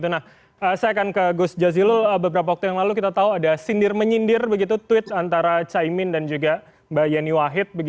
nah saya akan ke gus jazilul beberapa waktu yang lalu kita tahu ada sindir menyindir begitu tweet antara caimin dan juga mbak yeni wahid